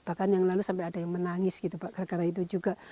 bahkan yang lalu sampai ada yang menangis gitu pak gara gara itu juga